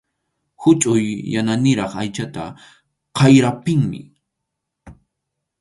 Huchʼuy yananiraq aychaqa k’ayrapinmi.